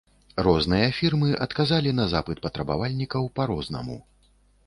Розныя фірмы адказалі на запыт патрабавальнікаў па рознаму.